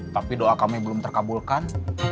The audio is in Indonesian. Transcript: tapi doa kami belum terkabulkan